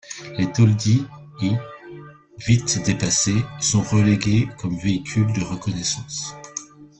Les Toldi I vite dépassés sont relégués comme véhicules de reconnaissance.